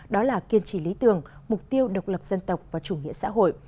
đó là kiên trì lý tưởng mục tiêu độc lập dân tộc và chủ nghĩa xã hội